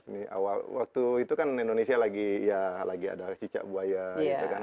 dua ribu sebelas ini awal waktu itu kan indonesia lagi ada cicak buaya gitu kan